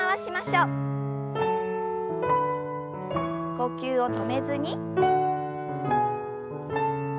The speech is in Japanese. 呼吸を止めずに。